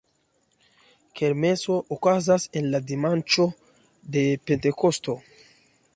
Kermeso okazas en la dimanĉo de Pentekosto.